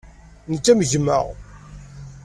Nekk am gma.